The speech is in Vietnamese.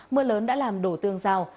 mưa lớn đã làm đổ tương rào